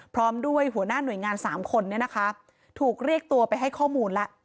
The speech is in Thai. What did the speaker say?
พร้อมด้วยหัวหน้าหน่วยงานสามคนเนี่ยนะคะถูกเรียกตัวไปให้ข้อมูลแล้ว